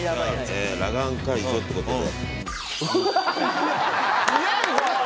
裸眼解除ってことで。